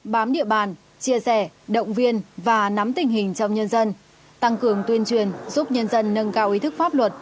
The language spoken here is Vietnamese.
bám địa bàn chia sẻ động viên và nắm tình hình trong nhân dân tăng cường tuyên truyền giúp nhân dân nâng cao ý thức pháp luật